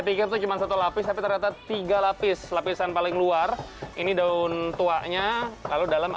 pikir itu cuma satu lapis tapi ternyata tiga lapis lapisan paling luar ini daun tuanya lalu dalam